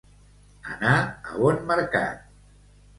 Anar a bon mercat.